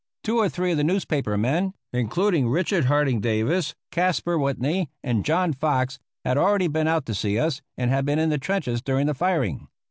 Two or three of the newspaper men, including Richard Harding Davis, Caspar Whitney, and John Fox, had already been out to see us, and had been in the trenches during the firing.